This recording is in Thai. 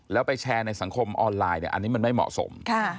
แล้วไปแชร์ในสังคมออนไลน์อันนี้มันไม่เหมาะสม